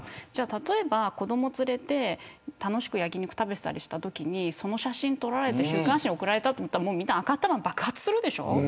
例えば、子どもを連れて楽しく焼き肉を食べていたりしたときにその写真撮られて週刊誌に送られたとなったらみんな頭爆発するでしょ。